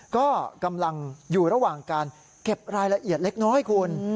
ก็กำลังอยู่ระหว่างการเก็บรายละเอียดเล็กน้อยคุณ